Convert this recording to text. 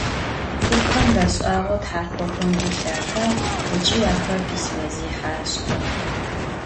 Ts'ıfxem beş'ağeu tharkhoxem gu lhatağ ıç'i axer pismezêhe aş'ığex.